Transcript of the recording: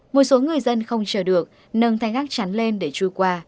một số người dân không chờ được nâng thanh gác chắn lên để chui qua